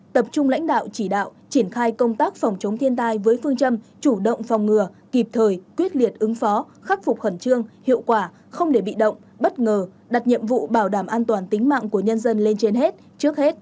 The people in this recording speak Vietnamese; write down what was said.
tập trung lãnh đạo chỉ đạo triển khai công tác phòng chống thiên tai với phương châm chủ động phòng ngừa kịp thời quyết liệt ứng phó khắc phục khẩn trương hiệu quả không để bị động bất ngờ đặt nhiệm vụ bảo đảm an toàn tính mạng của nhân dân lên trên hết trước hết